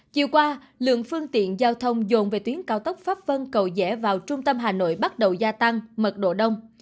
chiều qua lượng phương tiện giao thông dồn về tuyến cao tốc pháp vân cầu rẽ vào trung tâm hà nội bắt đầu gia tăng mật độ đông